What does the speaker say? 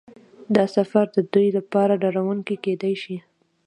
دا سفر د دوی لپاره ډارونکی کیدای شي